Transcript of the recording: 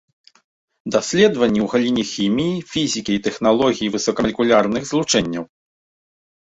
Даследаванні ў галіне хіміі, фізікі і тэхналогіі высокамалекулярных злучэнняў.